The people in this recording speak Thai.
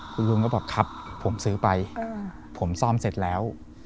คุณลุงก็บอกครับผมซื้อไปผมซ่อมเสร็จแล้ว